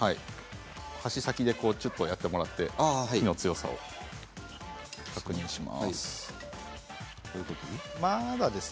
箸先でちょっとやっていただいて強さを確認します。